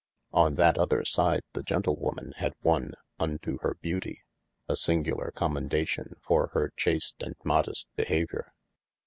On that other side the gentlewoman had woonne (unto hir beautie) a singular commendation for hir chast and modest behaviour.